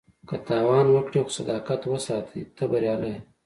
که تاوان وکړې خو صداقت وساتې، ته بریالی یې.